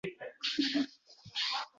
Gir aylanmish tolzor hovuz bo‘ldi.